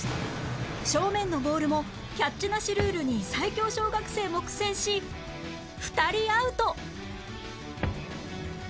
正面のボールもキャッチなしルールに最強小学生も苦戦し２人アウト！